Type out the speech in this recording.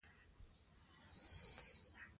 ماشومان په مینه او شفقت وروځئ.